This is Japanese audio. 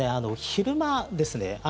昼間ですね